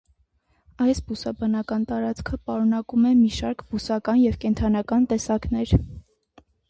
Այս բուսաբանական տարածքը պարունակում է մի շարք բուսական և կենդանական տեսակներ։